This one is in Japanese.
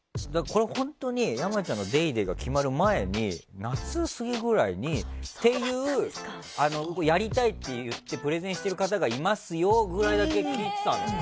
本当に山ちゃんの「ＤａｙＤａｙ．」が決まる前に夏過ぎくらいにっていうやりたいってプレゼンしてる方がいますよぐらいだけ聞いてたの。